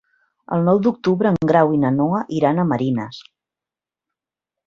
El nou d'octubre en Grau i na Noa iran a Marines.